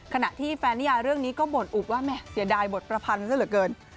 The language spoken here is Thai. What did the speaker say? ขณะที่แฟนนิยาเรื่องนี้ก็บ่นอุบว่าแม่เสียดายบทประพันธ์ซะเหลือเกิน